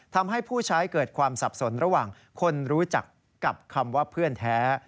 ทำให้ผู้ใช้เกิดความสับสนระหว่างคนรู้จักกับคำว่าเพื่อนแท้